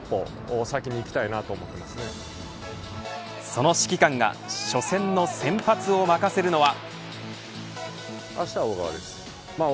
その指揮官が初戦の先発を任せるのは。